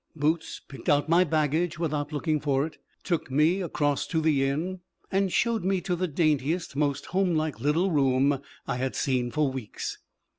Boots picked out my baggage without my looking for it, took me across to the Inn, and showed me to the daintiest, most homelike little room I had seen for weeks.